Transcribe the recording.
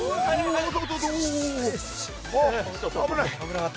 危ない。